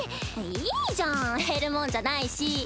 いいじゃん減るもんじゃないし。